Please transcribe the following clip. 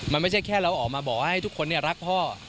มันไม่ใช่แค่เราออกมาบอกให้ทุกคนรักพ่อ